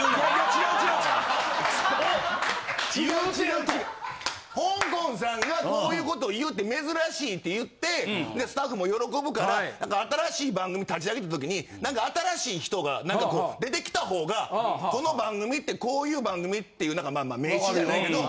違う違うほんこんさんがこういう事を言うって珍しいって言ってスタッフも喜ぶから新しい番組立ち上げた時になんか新しい人が出てきたほうがこの番組ってこういう番組っていうなんか名刺じゃないけど。